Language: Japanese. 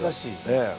ええ。